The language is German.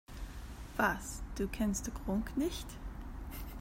Was, du kennst Gronkh nicht?